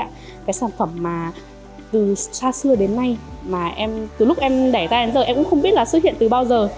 cái sản phẩm mà từ xa xưa đến nay mà em từ lúc em đẻ ra đến giờ em cũng không biết là xuất hiện từ bao giờ